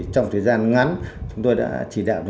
trong thời gian ngắn chúng tôi đã chỉ đạo